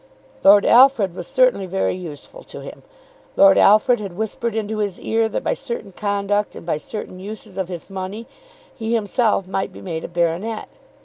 Lord Alfred was certainly very useful to him. Lord Alfred had whispered into his ear that by certain conduct and by certain uses of his money, he himself might be made a baronet.